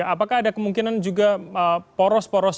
jadi ini ada kemungkinan juga poros poros